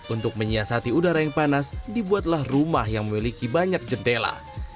untuk menyiasati udara yang panas dibuatlah rumah yang memiliki banyak jendela